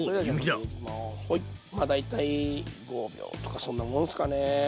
まあ大体５秒とかそんなもんすかね。